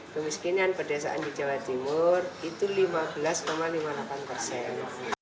kemiskinan pedesaan di jawa timur itu lima belas lima puluh delapan persen